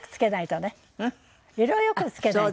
色良く漬けないと。